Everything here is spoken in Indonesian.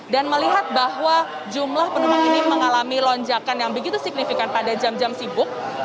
dan melihat bahwa jumlah penumpang ini mengalami lonjakan yang begitu signifikan pada jam jam sibuk ini